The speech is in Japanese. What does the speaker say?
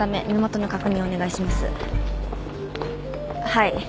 はい。